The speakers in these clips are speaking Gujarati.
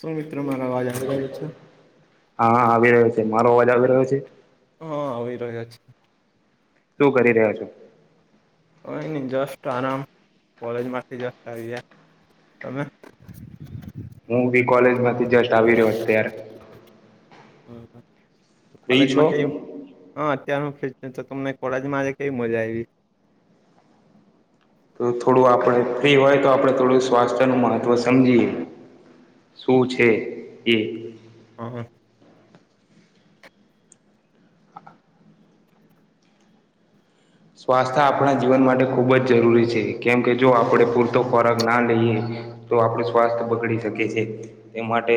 શું મિત્રો મારા અવાજ આવી રહ્યો છે? હા હા આવી રહ્યો છે, મારો અવાજ આવી રહ્યો છે. હ આવી રહ્યો છે. શું કરી રહ્યા છો? કયની જસ્ટ આરામ કોલેજમાંથી જ આવયા તમે? હું બી કોલેજ માંથી જસ્ટ આવી રહ્યો અત્યારે હમ ફ્રી છો કોલેજમાં કેમ તો હા અત્યાર હું [unintelligible] કેવી મજા આયવી? તો થોડું આપણે ફ્રી હોય તો આપણે થોડું સ્વાસ્થ્યનું મહત્વ સમજીએ શું છે એ [inaudible] સ્વાસ્થ્ય આપણા જીવન માટે ખૂબ જ જરૂરી છે, કેમ કે જો આપણે પૂરતો ફરકના લઈએ તો આપડે સ્વાસ્થ્ય બગડી શકે છે, એ માટે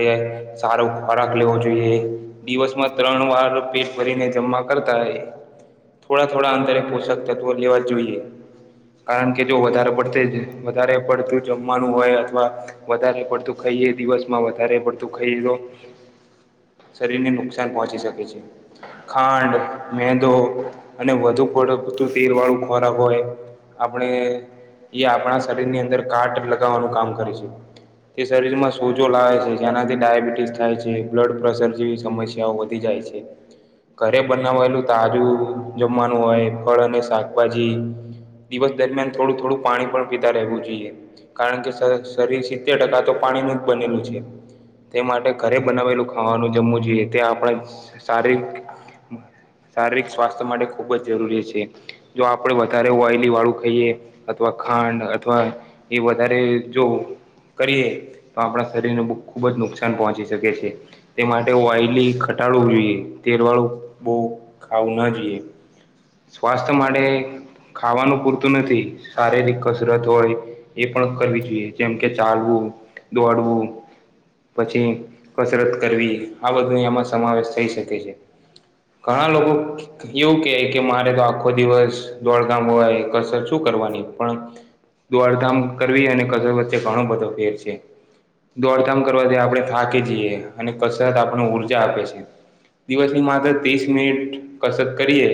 સારો ખોરાક લેવો જોઈએ દિવસમાં ત્રણ વાર પેટ ભરીને જમા કરતા થોડા થોડા અંતરે પો ષક તત્વો લેવા જોઈએ કારણ કે જો વધારે પડત જ વધારે પડતું જમવાનું હોય અથવા વધારે પડતું ખઈએ દિવસમાં વધારે પડતું ખાઈ લો શરીરની નુકસાન પહોંચી શકે છે. ખાંડ, મેંદો અને વધુ પડતુ તેલ વાળું ખોરાક હોય આપણેે એ આપણા શરીરની અંદર કાટ લગાવવાનું કામ કરે છે. તે શરીરમાં સોજો લાવે છે જેનાથી ડાયાબિટીસ થાય છે બ્લડ પ્રેશર જેવી સમસ્યાઓ વધે. જાય છે, ઘરે બનાવાયલું તાજુ જમવાનું હોય ફળ અને શાકભાજી દિવસ દરમિયાન થોડું થોડું પાણી પણ પીતા રહેવું જોઈએ કારણ કે શ શરીર સિત્તેર ટકા તો પાણી નુ જ બનેલું છે. તે માટે ઘરે બનાવેલું ખાવાનું જમવું જોઈએ તે આપણે શારી શારીરિક સ્વાસ્થ્ય માટે ખૂબ જ જરૂરી છે. જો આપડે વધારે ઓઈલી વાળું ખાઈએ અથવા ખાંડ અથવા. એ વધારે જોવ. કરીએ તો આપણા શરીરને બ ખૂબ જ નુકસાન પહોંચી શકે છે. તે માટે ઓઈલી ઘટાડવું જોઈએ તેરવાળું બહુ ખાવું ન જોઈએ. સ્વાસ્થ્ય માટે ખાવાનું પૂરતું નથી શારીરિક કસરત હોય. એ પણ કરવી જોઈએ જેમ કે ચાલવું દોડવું. પછી કસરત કરવી આ બધુંમાં સમાવેશ થઈ શકે છે. ઘણા લોકો એવું કય કે મારે તો આખો દિવસ દોડકામ હોય કસર શું કરવાની પણ દોડધામ કરવી અને કજર વચ્ચે ઘણો બધો ફેર છે. દોડધામ કરવાથી આપણે થાકી જઈએ અને કસરત આપણ ઉઊર્જા આપે છે. દિવસની માત્ર ત્રીસ મિનિટ કસરત કરીએ.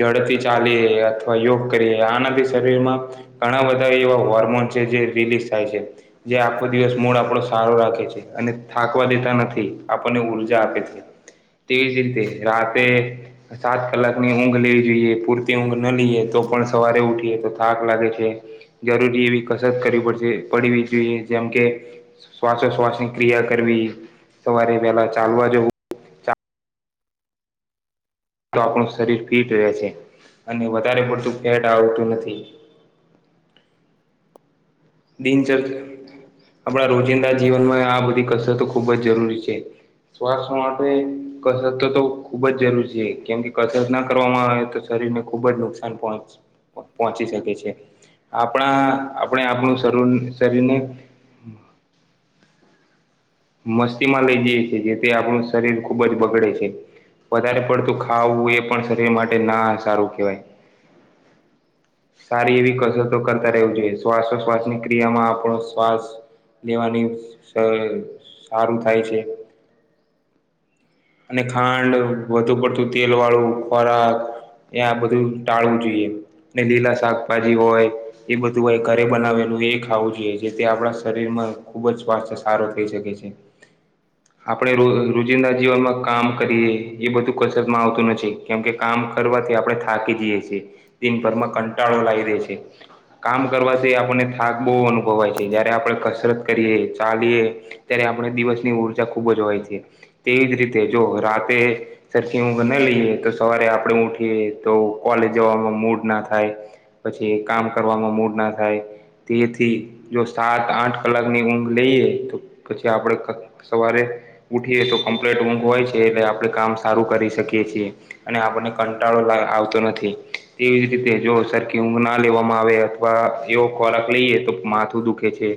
ઝડથી ચાલી અથવા યોગ કરીએ આનાથી શરીર માં. ઘણા વધારે એવા હોર્મોન છે જે રિલીઝ થાય છે. જે આખો દિવસ મૂળ આપડો સારો રાખે છે. અને થાકવા દેતા નથી આપણને ઉર્જા આપે છે તેવીજ રીતે રાતે. સાત કલાકની ઊંઘ લેવી જોઈએ પૂરતી ઊંઘ ના લઈએ તો પણ સવારે ઉઠીએ તો થાક લાગે છે. જરૂરી એવી કસરત કરવી પડ પડવી જોઈએ જેમ કે. શ્વાસો શ્વાસ ની ક્રિયા કરવી સવારે પેલા ચાલવા જવું. તો આપણું શરીર ફિટ રહે છે અને વધારે પડતું ફેટ આવતું નથી. દિનચર્યા આપણા રોજિંદા જીવનમાં આ બધી કસરતો ખૂબ જ જરૂરી છે. સ્વાસ્થ્ય માટે કસરત તો તો ખુબ જ જરૂરી છે કેમ કે કસરત ના કરવામાં આવે તો શરીરને ખુબ જ નુકસાન પહોચી શકે છે. આપણા આપણે આપણું [unintelligible] શરીને મસ્તી માં લઈ જઈએ છેએ. જેથી આપણું શરીર ખુબ જ બગડે છે. વધારે પડતું ખાવું એ પણ શરીર માટે ના સારું કહેવાય. [inaudible] સારી એવી કસરતો કરતા રહેવી જોઈએ શ્વાસોશ્વાસની ક્રિયામાં આપણો શ્વાસ લેવાની સારું થાય છે. અને ખાંડ વધુ પડતું તેલ વાળું ખોરાક એ આ બધું ટાળવું જોઈએ. લીલા શાકભાજી હોય એ બધું ઘરે બનાવેલું એ ખાવું જોઈએ જેથી આપણા શરીરમાં ખુબ જ સ્વાસ્થ્ય સારો થઈ શકે છે. છે. આપણે રો રોજિંદા જીવનમાં કામ કરીએ એ બધું કસરતમાં આવતું નથી. કેમ કે કામ કરવાથી આપણે થાકી જઈએ છીએ દિનભરમાં કંટાળો લાવી દે છે. કામ કરવાથી આપણને થાક બહુ અનુભવાય છે. જયારે આપણે કસરત કરીએ, ચાલીએ ત્યારે આપણે દિવસની ઊર્જા ખૂબ જ હોય છે. તેવી જ રીતે જો રાતે સરથી હું ન લઈએ તો સવારે આપડ ઉઠીએ તો કોલેજ જવામાં મૂડના થાય. પછી કામ કરવાનો મૂડ ના થાય. તેથી જો સાત આઠ કલાકની ઊંઘ લઈએ તો પછી આપણેે સવારે ઉઠીએ તો કમ્પ્લીટ ઊંઘ હોય છે એટલે આપડણે કામ સારું કરી શકીએ છીએ. અને આપણને કંટાળો આવતો નથી તેવી જ રીતે જો સરખી ઊંઘ ના લેવામાં આવે એવ ખોરાક લઈએ તો માથું દુખે છે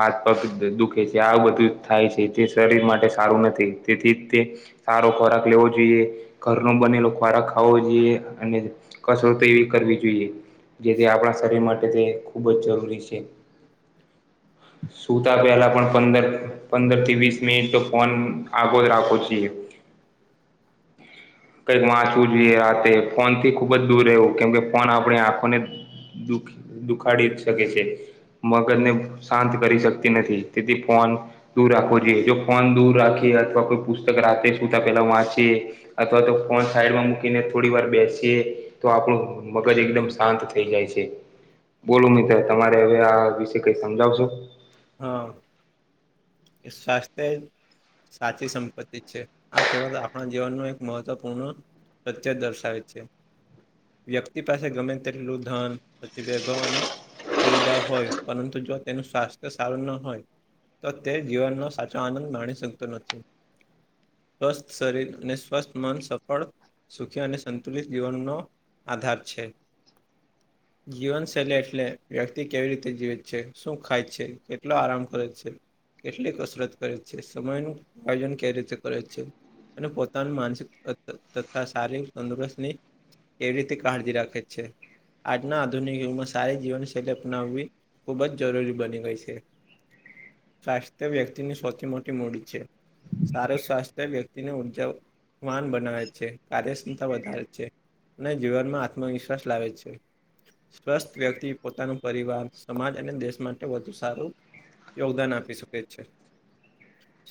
હાથ પગ દુખે છે. જે આ બધુ જ થાય છે જે શરીર માટે સારુ નથી. તેથી તે સારો ખોરાક લેવો જોઈએ, ઘરનો બનેલો ખોરાક ખાવો જોઈએ અને કસરત એવી કરવી જોઈએ જેથી આપણા શરીર માટે તે ખૂબ જ જરૂરી છે. સુતા પહેલા પણ પંદર પંદરથી વીસ મિનિટ તો ફોન આગો જ રાખો છીએ. કંઈક વાંચવું જોઈએ આ તે ફોન થી ખુબ જ દૂર રહેવું કેમ કે ફોન આપણે આંખોને દુખ દુખાડી જ શકે છે. મગર ને સાંત કરી શકતી નથી તેથી ફોન દૂર રાખવો જોઈએ, જો ફોન દૂર રાખી અથવા કોઈ પુસ્તક રાતે સુતા પેલા વાંચે અથવા તો ફોન સાઈડમા મૂકીને થોડી વાર બેસીએ તો આપણું મગજ એકદમ સાંત થઇ જાય છે. બોલો મિતે તમારે હવે આ વિશે કઈ સમજાવસુ? હા. કે સ્વાસ્તેય સાચી સંપત્તિ છે. આ કહેવાતો આપણા જીવન નુ એક મહત્વપૂર્ણ પ્રત્ય જ દર્શાવે છે. વ્યક્તિ પાસે ગમે તેટલુ ધન સંત્તિ વૈભવ અને દુવિધા હોય પરંતુ જો તેનુ સ્વાસ્તય સારુ ના હોય તો તે જીવનનો સાચો આનંદ માણી શકતો નથી. સ્વસ્થ શરીર અને સ્વસ્થ મન સફળ સુખી અને સંતુલિત જીવનનો આધાર છે. જીવનશૈલી એટલે વ્યક્તિ કેવી રીતે જીવિત છે? શું ખાય છે? કેટલો આરામ કરે છે? કેટલી કસરત કરે છે? સમયનુ આયોજન કેવી રીતે કરે છે? અને પોતાનું માનસિક ત ત તથા શારીક તંદુરસ્તની એવી રીતે કાળજી રાખે જ છે. આજના આધુનિક યુગમાં સારી જીવનશૈલી અપનાવવી ખૂબ જ જરૂરી બની ગઈ સે. સ્વાસ્થ્ય વ્યક્તિની સૌથી મોટી મૂડી છે. સારો સ્વાસ્થ્ય વ્યક્તિને ઉર્જાવાન બનાવે છે, કાર્યક્ષમતા વધારે છે. નઈ જીવન માં આત્મવિશ્વાસ લાવે છે. સ્વસ્થ વ્યક્તિ પોતાનું પરિવાર સમાજ અને દેશ માટે વધુ સારુ યોગદાન આપી શકે છે.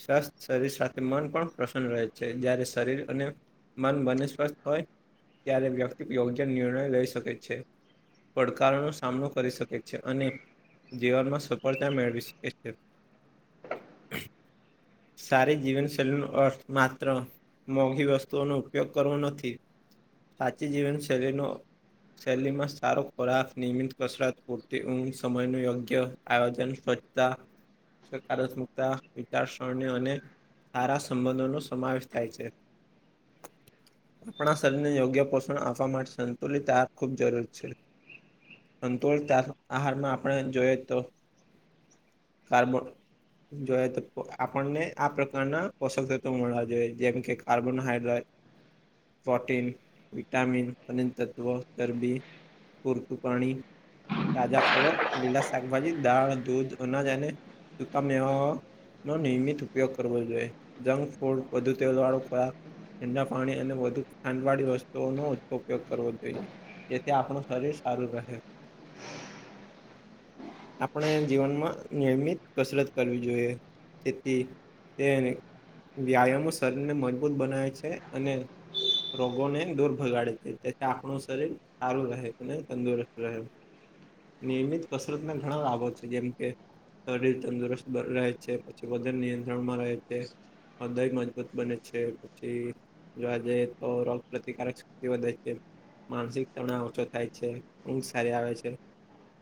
સ્વસ્થ શરીર સાથે મન પણ પ્રસન્ન રહે છે જ્યારે શરીર અને મન બનેસ્પષ હોય ત્યારે વ્યક્તિ યોગ્ય નિર્ણય લઈ શકે છે. પડકારોનો સામનો કરી શકે છે અને જીવનમાં સફળતા મેળવી શકે છે. [unintelligible] સારી જીવનશૈલીનો અર્થ માત્ર મોઘી વસ્તુઓનો ઉપયોગ કરવો નથી. હાચી જીવન શૈલીનો શૈલી માં સારો ખોરાક, નિયમિત કસરત, પૂરતી ઊંઘ, સમયનું યોગ્ય આયોજન, સ્વચતા [unintelligible] વિચારસરણી અને સારા સંબંધો નો સમાવેશ થાય છે. [unintelligible] આપણા શરીરને યોગ્ય પોષણ આપવા માટે સંતુલિત આહા ખૂબ જરૂર છે. અંતુલતા આહારમાં આપણે જોઈએ તો કારબોડ જોયે તો આપણને આ પ્રકારના પોષક તત્વ મળવા જોઈએ, જેમ કે કાર્બનહાઈડ્રાડ [unintelligible] પોટીન, વિટામિન, ખનીતત્વ, ગરબી... પૂરતું પાણી, તાજા ફળો, લીલા શાકભાજી, દાળ, દૂધ, અનાજ અને તો તમે નો નિયમિત ઉપયોગ કરવો જોઈએ જંક ફૂડ વધુ તે વાળો ખોરાક ઠંડા ફાણી અને વધુ ખાંડ વાળી વસ્તુઓનો ઓછો ઉપયોગ કરવો જોઈએ. જેથી આપણું શરીર સારુ રહે. હા આપણે જીવનમાં નિયમિત કસરત કરવી જોઈએ તેથી તેને વ્યાયામો શરીરને મજબૂત બનાવે છે અને રોગોને દૂર ભગાડે છે તે આખણું શરીર સારું રહે અને તંદુરસ્ત રહેલ નિયમિત કસરતના ઘણા લાભો છે જેમ કે શરીર તંદુરસ્ત રહે છે પછી વજન નિયંત્રણમાં રહે છે હૃદય મજબૂત બને છે પછી જોવા જઈએ તો રોગ પ્રતિકારક શક્તિ વધે છે માનસિક તણાવ ઓછો થાય છે ઉંઘ સારી આવે છે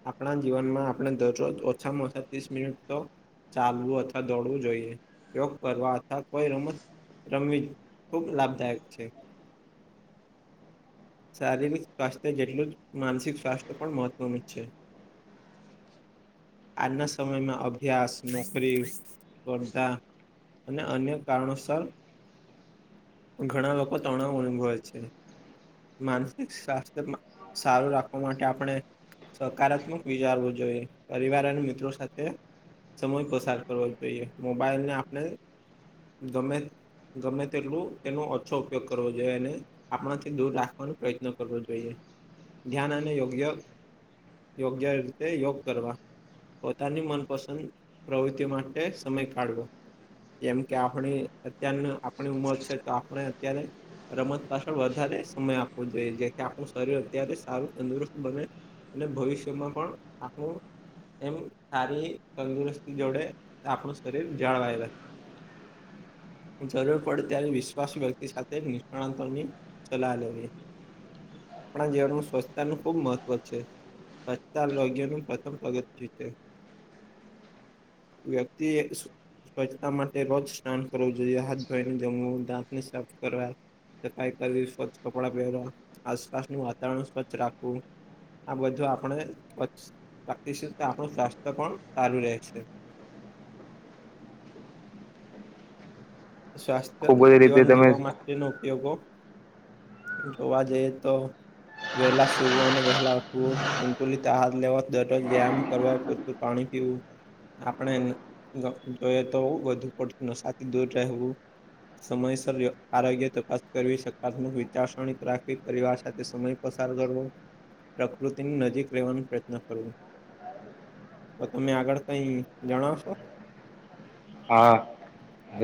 આપણા જીવનમાં આપણે દરરોજ ઓછામાં ઓછા ત્રીસ મિનિટ તો ચાલવું અથવા દોડવું જોઈએ યોગ કરવા અથવા કોઈ રમત રમવી ખૂબ લાભદાયક છે [unintelligible] શારીરિક સ્વાસ્થ્ય જેટલું જ માનસિક સ્વાસ્થ્ય પણ મહત્વનું છે આના સમયમાં અભ્યાસ નોકરી સ્પર્ધા અને અન્ય કારણોસર ઘણા લોકો તણાવ અનુભવે છે માનસિક સ્વાસ્થ્ય સારું રાખવા માટે આપણે સકારાત્મક વિચારવું જોઈએ પરિવાર અને મિત્રો સાથે સમય પસાર કરવો જોઈએ મોબાઈલને આપણે ગમે ગમે તેટલું તેનો ઓછો ઉપયોગ કરવો જોઈએ અને આપણાથી દૂર રાખવાનો પ્રયત્ન કરવો જોઈએ ધ્યાન અને યોગ્ય યોગ્ય રીતે યોગ કરવા પોતાની મનપસંદ પ્રવૃત્તિ માટે સમય કાઢવો જેમ કે આપણી અત્યાર આપણી ઉમર છે તો આપણે અત્યારે રમત પાછળ વધારે સમય આપવો જોઈએ જેથી આપણું શરીર અત્યારે સારું તંદુરસ્ત બને અને ભવિષ્યમાં પણ આપું એમ સારી તંદુરસ્તી જોડે આપણું શરીર જાળવાય રહ છે જરૂર પડે ત્યારે વિશ્વાસ વ્યક્તિ સાથે નિષ્ણાતોની સલાહ લેવી આપણા જીવનનું સ્વચ્છતા નું ખુબ મહત્વ છે હસ્તારોગ્યનું પ્રથમ પગત છે વ્યક્તિએ સ્વચ્છતા માટે રોજ સ્નાન કરવું જોઈએ હાથ ધોઈ જંગાંત આપની સાફ કરવાવા કઈ કરવી સ્વચ્છ કપડાં પહેરવા આસપાસનું વાતાવરણ સ્વચ્છ રાખવું આ બધું આપણે લાગશ તો આપણું સ્વાસ્થ્ય પણ સારું રહેશે સ્વાસ્થ્ય ખુબ બધી રીતે જીવન તમે જીવવા માટેનો ઉપયોગો જોવા જઈએ તો વહેહલા સુવ અને વહેહલા ઉઠવો સંતુલિત આહાર લેવા દરરોજ વ્યાયામ કરવા પાણી પીવું આપણે જોઈએ તો વધુ પડતું નશાથી દૂર હું સમયસર આરોગ્ય તપાસ કરવી સકારાત્મક વિચારસરવી પરિવાર સાથે સમય પસાર કરવો પ્રકૃતિની નજીક રહેેવાનો પ્રયત્ન કરવો તો તમે આગળ કઈ જણાવશો હા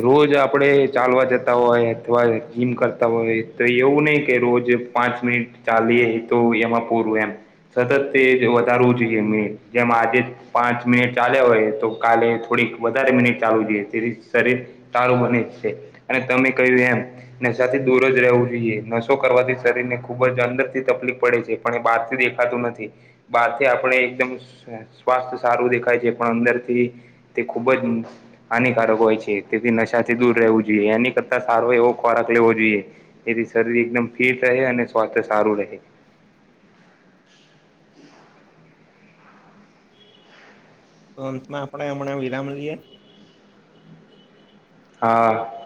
રોજ આપણે ચાલવા જતા હોય અથવા જીમ કરતા હોય તો એવું નહીં કે રોજ પાંચ મિનિટ ચાલી એ તો એમાં પૂરું એમ સતત તે વધારવું જોઈએ મે જેમ આજે પાંચ મિનિટ ચાલ્યા હોય તો કાલે થોડીક વધારે મિનિટ ચ જોઈએ તેથી શરીર તારું બને છે અને તમે કહ્યું એમ નશાથી દૂર જ રહેવું જોઈએ નશો કરવાથી શરીર ને ખુબ જ અંદર થી તકલીફ પડે છે પણ બહાર થી દેખાતું નથી બહારથી આપણે એકદમ સ્વાસ્થ્ય સારું દેખાય છે પણ અંદર થી તે ખૂબજ હાનિકારક હોય છે તેથી નશાથી દૂર રહેવું જોઈએ એની કરતા સારો એવો ખોરાક લેવો જોઈએ તેથી શરીર એકદમ ફિટ રહે અને સ્વાસ્થ્ય સારું રહે તો અંતૃમાં આપડે હમણાં વિરામ લઈએ હા